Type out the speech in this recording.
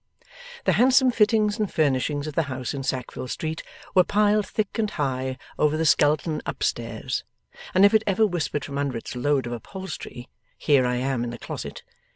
The handsome fittings and furnishings of the house in Sackville Street were piled thick and high over the skeleton up stairs, and if it ever whispered from under its load of upholstery, 'Here I am in the closet!